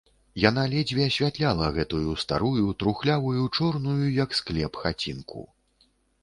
Яна ледзьве асвятляла гэтую старую, трухлявую, чорную, як склеп, хацінку.